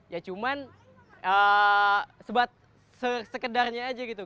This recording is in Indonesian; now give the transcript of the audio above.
ya cuman sekedarnya aja gitu